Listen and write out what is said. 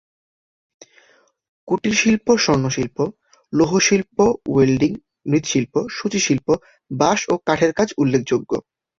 কুটিরশিল্প স্বর্ণশিল্প, লৌহশিল্প, ওয়েল্ডিং, মৃৎশিল্প, সূচিশিল্প, বাঁশ ও কাঠের কাজ উল্লেখযোগ্য।